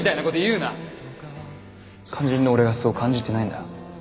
肝心の俺がそう感じてないんだ。